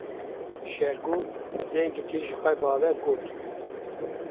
Şêrgo bi dengekî jixwebawer got.